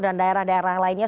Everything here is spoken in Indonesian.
dan daerah daerah lainnya